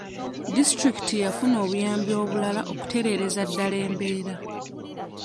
Disitulikiti yafuna obuyambi obulala okutereereza ddala embeera.